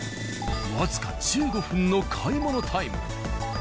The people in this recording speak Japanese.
僅か１５分の買い物タイム。